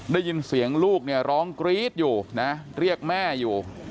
ได้ยินเสียงลูกเนี่ยร้องกรี๊ดอยู่นะเรียกแม่อยู่